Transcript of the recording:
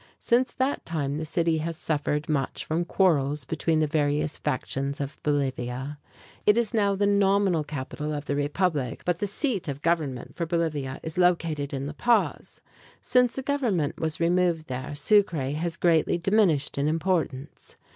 Since that time the city has suffered much from quarrels between the various factions of Bolivia. It is now the nominal capital of the republic, but the seat of government for Bolivia is located in La Paz. Since the government was removed there, Sucre has greatly diminished in importance.